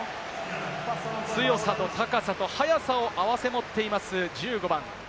強さと高さと速さを併せ持っています、１５番。